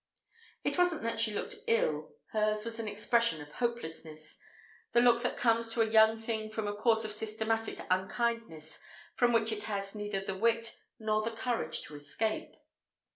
It wasn't that she looked ill; hers was an expression of hopelessness; the look that comes to a young thing from a course of systematic unkindness from which it has neither the wit nor the courage to escape.